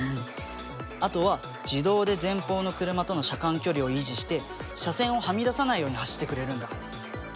あとは自動で前方の車との車間距離を維持して車線をはみ出さないように走ってくれるんだ。